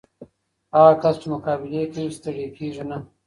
هغه کس چې مقابله کوي، ستړی کېږي نه.